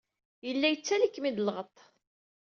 Yella yettaley-ikem-id lɣeṭṭ.